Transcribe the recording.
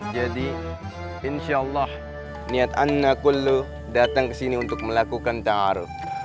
jadi insyaallah niat anak anak datang ke sini untuk melakukan ta'aruf